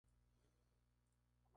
Bellows nació en Columbus, Ohio.